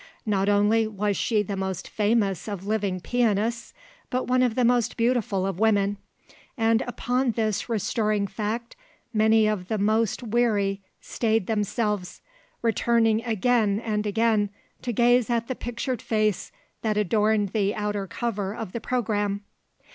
Not only was she the most famous of living pianists but one of the most beautiful of women; and upon this restoring fact many of the most weary stayed themselves, returning again and again to gaze at the pictured face that adorned the outer cover of the programme.